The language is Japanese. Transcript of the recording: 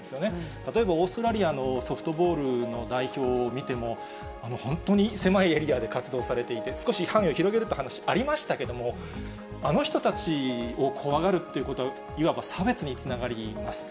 例えば、オーストラリアのソフトボールの代表を見ても、本当に狭いエリアで活動されていて、少し範囲を広げるという話、ありましたけれども、あの人たちを怖がるっていうことは、いわば差別につながります。